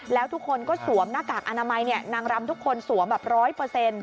แล้วทุกคนก็สวมหน้ากากอนามัยนางรำทุกคนสวมแบบ๑๐๐